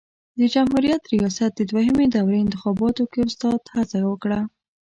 د جمهوري ریاست د دوهمې دورې انتخاباتو کې استاد هڅه وکړه.